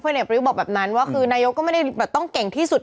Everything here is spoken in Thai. พ่อเนธประวิวบอกแบบนั้นว่าคือนายกก็ไม่ได้ต้องเก่งที่สุด